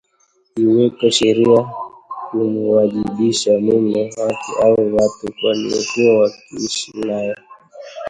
iwekwe sheria ya kumuwajibisha mume wake au watu waliokuwa wakiishi naye